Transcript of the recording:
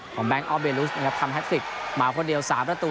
ของแบงค์ออฟเบรุทครับทำให้ฟิศมาคนเดียว๓ประตู